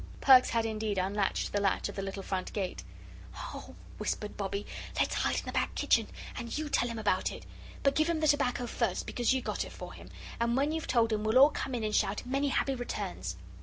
Perks had indeed unlatched the latch of the little front gate. "Oh," whispered Bobbie, "let's hide in the back kitchen, and YOU tell him about it. But give him the tobacco first, because you got it for him. And when you've told him, we'll all come in and shout, 'Many happy returns!'"